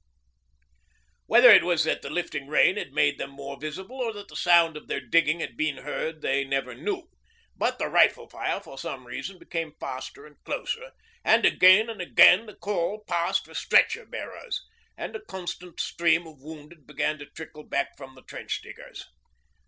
Whether it was that the lifting rain had made them more visible or that the sound of their digging had been heard they never knew, but the rifle fire for some reason became faster and closer, and again and again the call passed for stretcher bearers, and a constant stream of wounded began to trickle back from the trench diggers.